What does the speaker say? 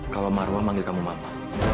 kalau marwah manggil kamu mama